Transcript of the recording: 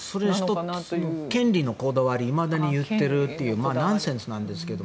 １つの権利のこだわりいまだに言っているというナンセンスなんですが。